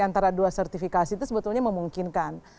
antara dua sertifikasi itu sebetulnya memungkinkan